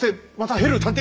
ヘルー探偵！